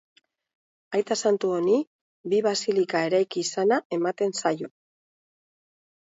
Aita santu honi, bi basilika eraiki izana ematen zaio.